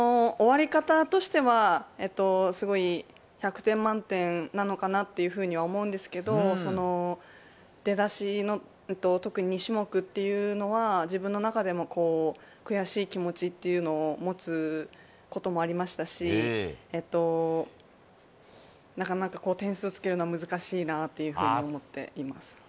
終わり方としては１００点満点なのかなというふうには思うんですけど出だしの特に２種目というのは自分の中でも悔しい気持ちというのを持つこともありましたしなかなか点数をつけるのは難しいなというふうに思っています。